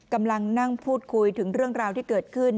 กำลังนั่งพูดคุยถึงเรื่องราวที่เกิดขึ้น